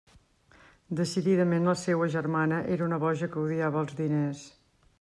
Decididament la seua germana era una boja que odiava els diners.